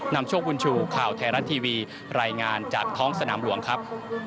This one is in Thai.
นำโชคบุญชูข่าวไทยรัฐทีวีรายงานจากท้องสนามหลวงครับ